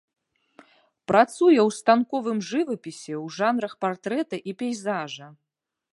Працуе ў станковым жывапісе ў жанрах партрэта і пейзажа.